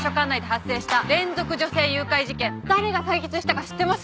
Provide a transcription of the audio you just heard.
誰が解決したか知ってます？